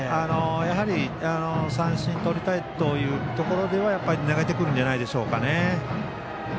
やはり三振をとりたいというところでは投げてくるんじゃないでしょうか。